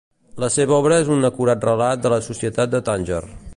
La seva obra és un acurat relat de la societat de Tànger.